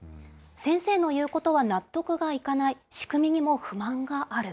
先生の言うことは納得がいかない、仕組みにも不満がある。